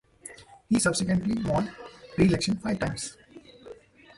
He subsequently won re-election five times.